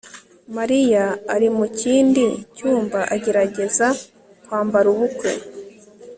mariya ari mu kindi cyumba agerageza kwambara ubukwe